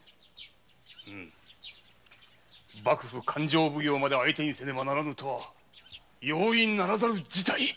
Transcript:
幕府勘定奉行まで相手にせねばならぬとは容易ならざる事態。